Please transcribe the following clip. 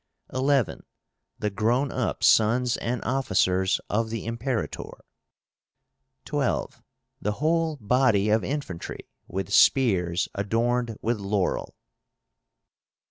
11. The grown up sons and officers of the Imperator. 12. The whole body of infantry, with spears adorned with laurel.